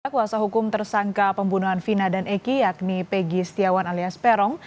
kuasa hukum tersangka pembunuhan vina dan eki yakni pegi setiawan alias peron